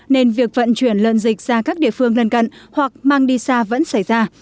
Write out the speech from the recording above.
nên việc vận chuyển lợn dịch ra các địa phương gần gần hoặc mang đi xa vẫn xảy ra